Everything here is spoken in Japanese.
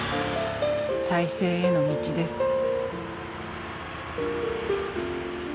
再生への道です。